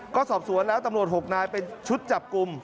ก็สอบสวนแล้วตำรวจ๖นายเป็นชุดจับกลุ่ม